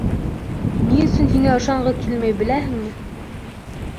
Ни өсөн һиңә ышанғы килмәй, беләһеңме?